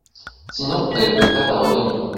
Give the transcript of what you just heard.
Sinon elle était prête à revenir.